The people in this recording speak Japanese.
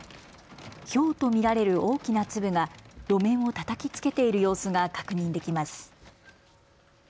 ひょうと見られる大きな粒が路面をたたきつけている様子が確認できます。